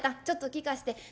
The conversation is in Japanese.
ちょっと聞かして。